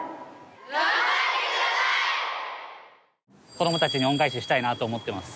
子供たちに恩返ししたいなと思ってます。